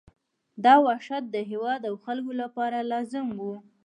دا وحشت د هېواد او خلکو لپاره لازم وو.